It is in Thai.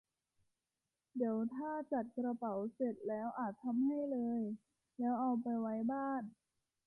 เด๋วถ้าจัดกระเป๋าเสร็จแล้วอาจทำให้เลย แล้วเอาไปไว้บ้าน